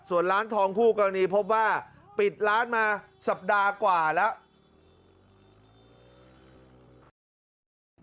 ส่วนร้านทองคู่กรณีพบว่าปิดร้านมาสัปดาห์กว่าแล้ว